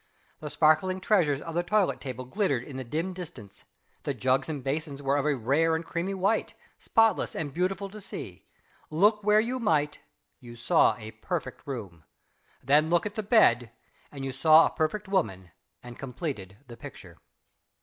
The sparkling treasures of the toilet table glittered in the dim distance, The jugs and basins were of a rare and creamy white; spotless and beautiful to see. Look where you might, you saw a perfect room. Then look at the bed and you saw a perfect woman, and completed the picture.